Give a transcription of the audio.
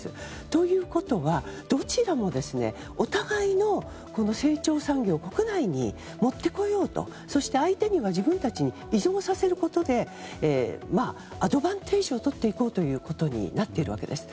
ということは、どちらもお互いの成長産業を国内に持ってこようとそして相手には自分たちに依存させることでアドバンテージを取っていこうということになるわけです。